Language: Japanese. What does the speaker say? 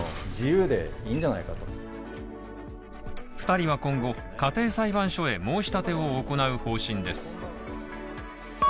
２人は今後、家庭裁判所へ申し立てを行う方針です。